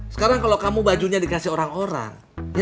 sekarang kalau kamu bajunya dikasih orang orang